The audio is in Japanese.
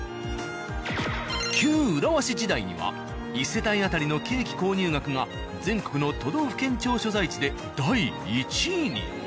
旧浦和市時代には１世帯当たりのケーキ購入額が全国の都道府県庁所在地で第１位に。